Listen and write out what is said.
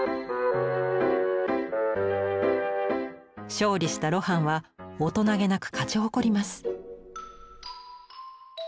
勝利した露伴は大人げなく勝ち誇ります